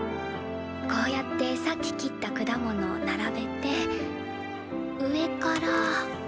こうやってさっき切ったくだものを並べて上から。